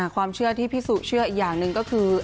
ความเชื่อที่พี่สุเชื่ออีกอย่างหนึ่งก็คือ